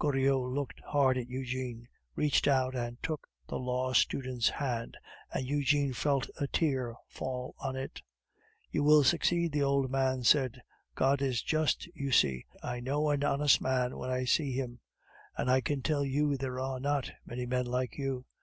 Goriot looked hard at Eugene, reached out and took the law student's hand, and Eugene felt a tear fall on it. "You will succeed," the old man said. "God is just, you see. I know an honest man when I see him, and I can tell you, there are not many men like you.